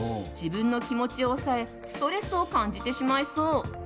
自分の気持ちを抑えストレスを感じてしまいそう。